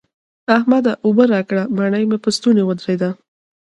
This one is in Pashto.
احمده! اوبه راکړه؛ مړۍ مې په ستونې ودرېده.